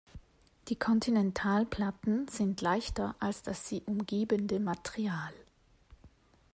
Die Kontinentalplatten sind leichter als das sie umgebende Material.